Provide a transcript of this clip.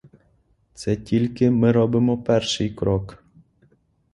Це тільки ми робимо перший крок.